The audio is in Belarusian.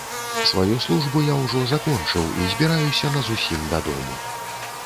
Сваю службу я ўжо закончыў і збіраюся назусім дадому.